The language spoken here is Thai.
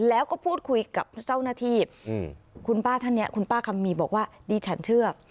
แล้วก็พูดคุยกับเจ้าหน้าที่คุณป้าท่านนี้คุณป้าคำมีบอกว่าดิฉันเชื่อ